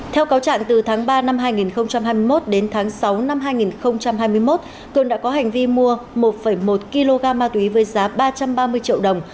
theo cáo trạng từ tháng ba năm hai nghìn hai mươi một đến tháng sáu năm hai nghìn hai mươi một cường đã có hành vi mua một một kg ma túy với giá ba trăm ba mươi triệu đồng